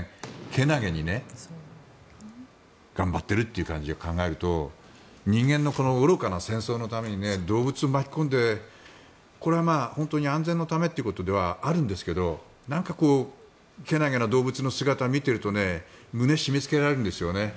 けなげに頑張っている感じを考えると人間の愚かな戦争のために動物を巻き込んでこれは本当に安全のためということではあるんですがけなげな動物の姿を見ていると胸が締めつけられるんですよね。